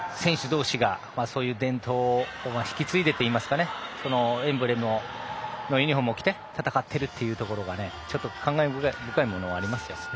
そして選手同士がそういう伝統を引き継いでエンブレム、ユニフォームを着て戦っているというのがちょっと感慨深いものがあります。